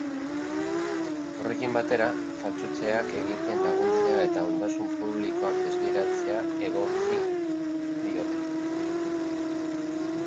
Horrekin batera, faltsutzeak egiten laguntzea eta ondasun publikoak desbideratzea egotzi diote.